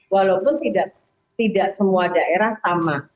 walaupun tidak semua daerah sama